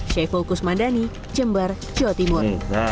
syekh fokus mandani jember jawa timur